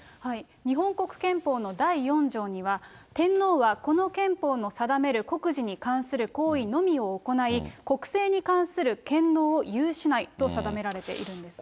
日本国憲法の第４条には、天皇はこの憲法の定める国事に関する行為のみを行い、国政に関する権能を有しないと定められているんですね。